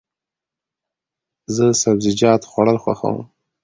زه سبزیجات خوړل خوښوم.